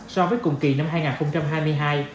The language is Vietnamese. so với cùng kỳ năm hai nghìn hai mươi hai